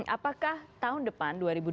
apakah tahun depan dua ribu dua puluh